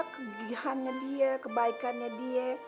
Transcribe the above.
kegihannya dia kebaikannya dia